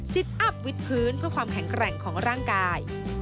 อัพวิทย์พื้นเพื่อความแข็งแกร่งของร่างกาย